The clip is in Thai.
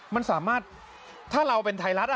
มันสามารถถ้าเราเป็นไทยรัฐ